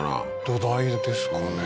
土台ですかね？